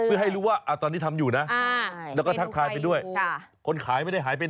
เพื่อให้รู้ว่าตอนนี้ทำอยู่แล้วก็ทักทายไปด้วย